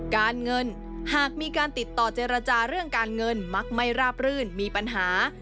การเงินหากมีการติดต่อเจรจาเรื่องการเงินมักไม่ราบรื่นมีปัญหา